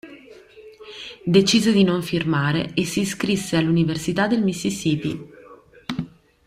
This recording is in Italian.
Decise di non firmare e si iscrisse all'Università del Mississippi.